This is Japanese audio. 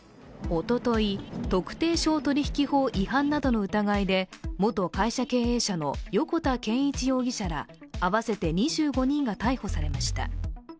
おととい、特定商取引法違反などの疑いで元会社経営者の横田健一容疑者ら合わせて２５人が逮捕されました。